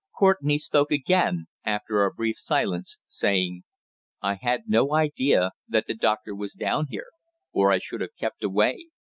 Courtenay spoke again, after a brief silence, saying: "I had no idea that the doctor was down here, or I should have kept away.